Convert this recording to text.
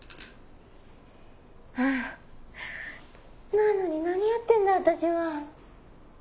ああなのに何やってんだ私は。